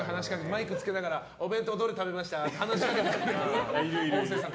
マイクつけながらお弁当どれ食べましたって話しかけてくる音声さん